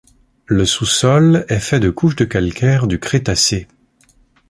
Le sous-sol est fait de couches de calcaire du crétacé.